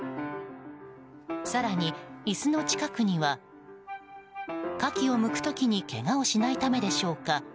更に、椅子の近くにはカキをむく時にけがをしないためでしょうか。